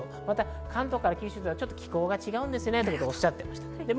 また関東から九州ではちょっと気候が違うんですよねとおっしゃってました。